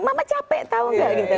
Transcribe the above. mama capek tau gak gitu